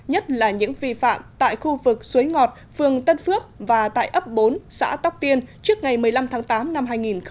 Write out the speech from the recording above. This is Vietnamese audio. nhất là những vi phạm tại khu vực suối ngọt phường tân phước và tại ấp bốn xã tóc tiên trước ngày một mươi năm tháng tám năm hai nghìn hai mươi